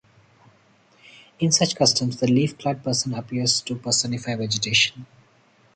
In such customs, the leaf-clad person appears to personify vegetation.